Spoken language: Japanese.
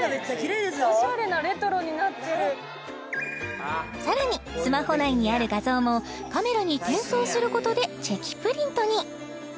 おしゃれなレトロになってるさらにスマホ内にある画像もカメラに転送することでチェキプリントに！